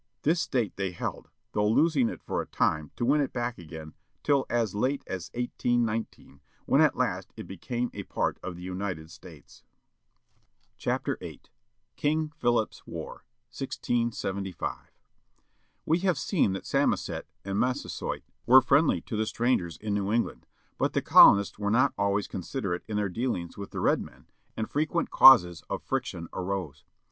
This state they held, though losing it for a time, to win it back again, till as late as 1819, when at last it became a part of the United States. WILLIAM PENN TREATING WITH THE INDIANS â fHU JUJ.W."*^ KING PHILIP'S WAR, 1675 jE have seen that Samoset, and Massasoit, were friendly to the strangers in New England. But the colonists were not always considerate in their dealings with the red men, and frequent causes of friction arose.